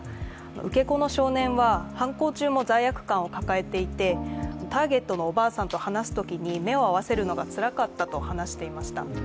受け子の少年は、犯行中も罪悪感を抱えていてターゲットのおばあさんと話すときに目を合わせるのがつらかったと話していました